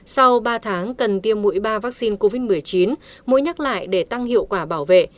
sau ba tháng cần tiêm mũi ba vaccine covid một mươi chín mũi nhắc lại để tăng hiệu quả bảo vệ